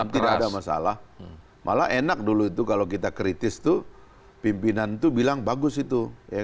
dan tidak ada masalah malah enak dulu itu kalau kita kritis tuh pimpinan itu bilang bagus itu